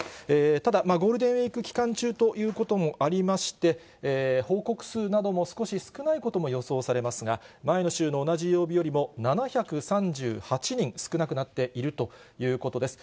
ただ、ゴールデンウィーク期間中ということもありまして、報告数なども少し少ないことも予想されますが、前の週の同じ曜日よりも７３８人少なくなっているということです。